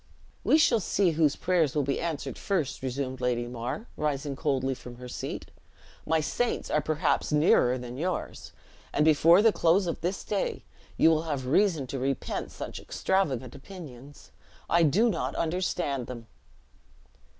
"We shall see whose prayers will be answered first," resumed Lady Mar, rising coldly from her seat. "My saints are perhaps nearer than yours, and before the close of this day you will have reason to repent such extravagant opinions. I do not understand them."